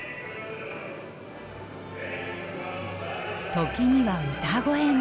時には歌声も。